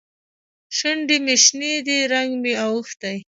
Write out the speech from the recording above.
شونډې مې شنې دي؛ رنګ مې اوښتی.